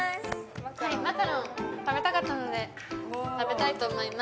マカロン食べたかったので食べたいと思います。